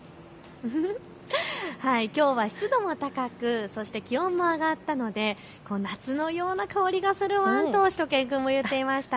きょうは湿度も高く、そして気温も上がったので夏のような香りがするワンとしゅと犬くんも言っていました。